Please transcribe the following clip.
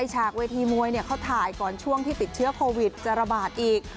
ฉากเวทีมวยเขาถ่ายก่อนช่วงที่ติดเชื้อโควิดจะระบาดอีก